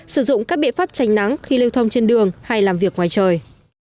sử dụng các biện pháp tránh nắng khi lưu thông trên đường hay làm việc ngoài trời